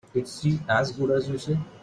Is she as good as you say?